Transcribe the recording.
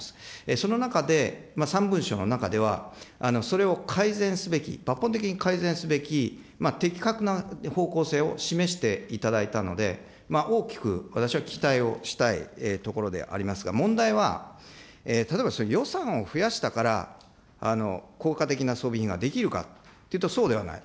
その中で、３文書の中では、それを改善すべき、抜本的に改善すべき、適格な方向性を示していただいたので、大きく私は期待をしたいところでありますが、問題は例えば予算を増やしたから、効果的な装備品が出来るかというと、そうではない。